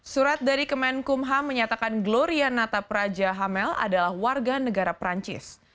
surat dari kemenkumham menyatakan gloria natapraja hamel adalah warga negara perancis